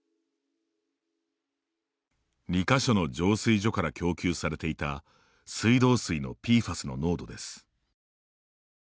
２か所の浄水所から供給されていた水道水のＰＦＡＳの濃度です。